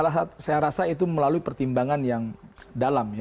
ya saya rasa itu melalui pertimbangan yang dalam